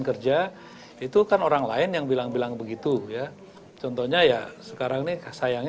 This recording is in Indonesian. kerja itu kan orang lain yang bilang bilang begitu ya contohnya ya sekarang nih sayangnya